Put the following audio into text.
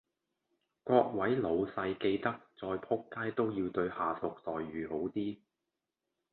各位老細記得再仆街都要對下屬待遇好啲